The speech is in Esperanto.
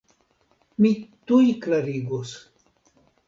Mi tuj klarigos.